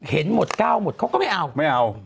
เห็นหมดก้าวหมดเขาก็ไม่เอา